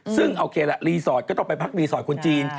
ซึ่งโอเคละรีสอร์ทก็ต้องไปพักรีสอร์ทคนจีน